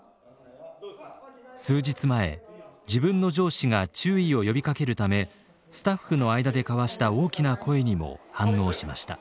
数日前自分の上司が注意を呼びかけるためスタッフの間で交わした大きな声にも反応しました。